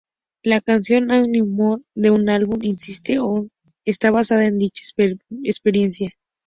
La canción "Anymore", de su álbum "Inside Out", está basada en dicha experiencia.